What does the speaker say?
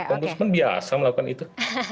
om busman biasa melakukan itu